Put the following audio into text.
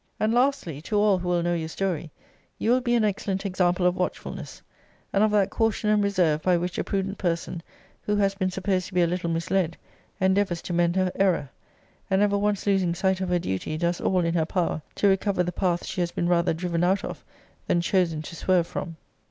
And lastly, to all who will know your story, you will be an excellent example of watchfulness, and of that caution and reserve by which a prudent person, who has been supposed to be a little misled, endeavours to mend her error; and, never once losing sight of her duty, does all in her power to recover the path she has been rather driven out of than chosen to swerve from.